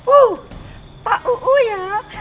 uh pak uu ya